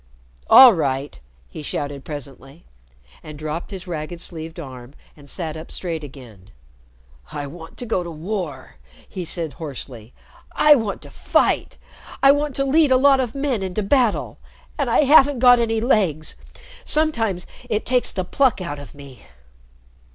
"All right!" he shouted presently, and dropped his ragged sleeved arm and sat up straight again. "I want to go to war!" he said hoarsely. "I want to fight! I want to lead a lot of men into battle! And I haven't got any legs. Sometimes it takes the pluck out of me."